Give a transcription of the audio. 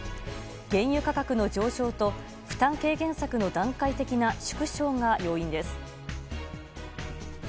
原油価格の上昇と負担軽減策の段階的な縮小が要因です。